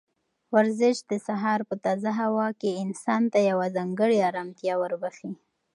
ورزش د سهار په تازه هوا کې انسان ته یوه ځانګړې ارامتیا وربښي.